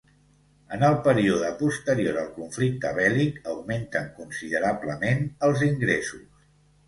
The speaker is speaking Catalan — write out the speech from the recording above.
En el període posterior al conflicte bèl·lic augmenten considerablement els ingressos.